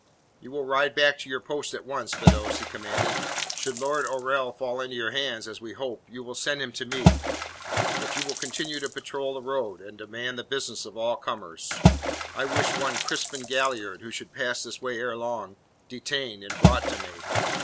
"You will ride back to your post at once, Beddoes," he commanded. "Should Lord Oriel fall into your hands, as we hope, you will send him to me. But you will continue to patrol the road, and demand the business of all comers. I wish one Crispin Galliard, who should pass this way ere long, detained, and brought to me.